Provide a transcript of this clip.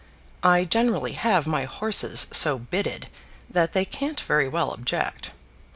I generally have my horses so bitted that they can't very well object.